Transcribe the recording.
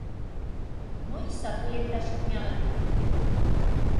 Но, и сату лекташ тӱҥалын...